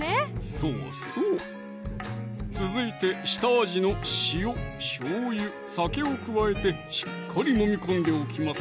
そうそう続いて下味の塩・しょうゆ・酒を加えてしっかりもみ込んでおきます